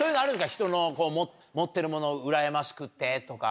ひとの持ってるものうらやましくってとか。